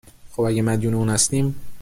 خب اگه مدیون اون هستیم